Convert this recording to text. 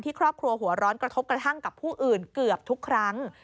ครอบครัวหัวร้อนกระทบกระทั่งกับผู้อื่นเกือบทุกครั้ง